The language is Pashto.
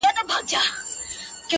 یوه ورځ به دي چیچي، پر سپینو لېچو~